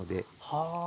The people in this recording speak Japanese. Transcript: はあ。